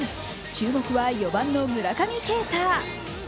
注目は４番の村上慶太。